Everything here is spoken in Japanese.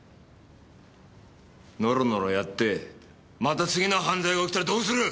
のろのろやってまた次の犯罪が起きたらどうする！？